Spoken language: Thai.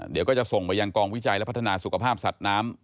เดี๋ยวก็จะส่งไปยังกองวิจัยและพัฒนาสุขภาพสัตว์น้ำ